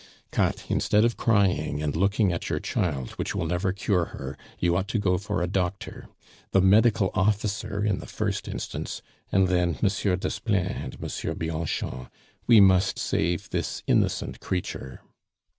"Katt, instead of crying and looking at your child, which will never cure her, you ought to go for a doctor; the medical officer in the first instance, and then Monsieur Desplein and Monsieur Bianchon We must save this innocent creature."